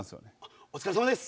お疲れさまです！